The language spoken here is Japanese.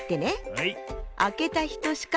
はい！